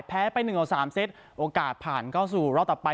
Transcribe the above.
แพ้ก็ไปหนึ่งต่อสามเซ็ตโอกาสผ่านก็สู่รอบต่อไป